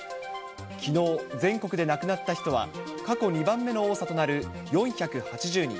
きのう、全国で亡くなった人は過去２番目の多さとなる４８０人。